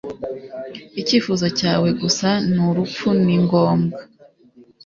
Icyifuzo cyawe gusa ni urupfu ni ngombwa